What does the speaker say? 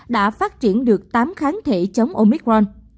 đã phát triển được tám kháng thể chống omicron